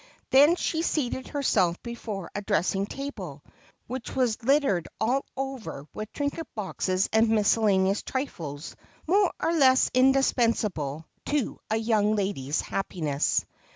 Then she seated herself before a dressing table, which was lit tered all over with trinket boxes and miscellaneous trifles more or less indispensable to a young lady's happiness.